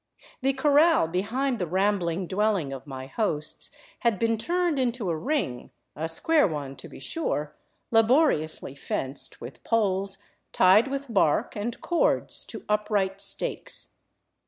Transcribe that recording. The corral behind the rambling dwelling of my hosts had been turned into a " ring," a square one, to be sure, laboriously fenced with poles tied with bark and cords to upright stakes.